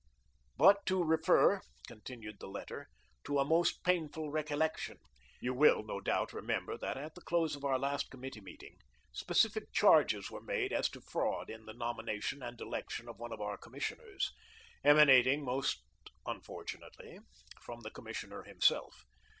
"But to refer," continued the letter, "to a most painful recollection. You will, no doubt, remember that, at the close of our last committee meeting, specific charges were made as to fraud in the nomination and election of one of our commissioners, emanating, most unfortunately, from the commissioner himself.